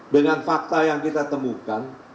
dengan fakta yang kita temukan